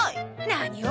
何を！